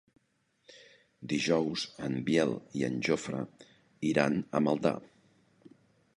Dijous en Biel i en Jofre iran a Maldà.